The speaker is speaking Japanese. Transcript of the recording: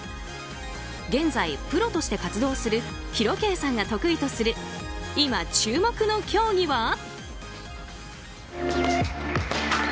現在、プロとして活動するＨＩＲＯ‐Ｋさんが得意とする今、注目の競技は。